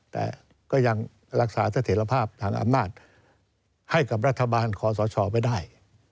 แต่ก็ยังรักษาเสถียรภาพทางอำนาจให้กับรัฐบาลคอสชไม่ได้